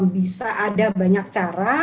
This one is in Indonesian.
bisa ada banyak cara